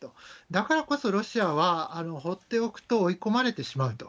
だからこそ、ロシアはほっておくと追い込まれてしまうと。